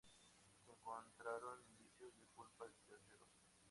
No se encontraron indicios de culpa de terceros.